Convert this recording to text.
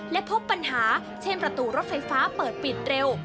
และพบปัญหาเช่นประตูรถไฟฟ้าเปิดปิดเร็ว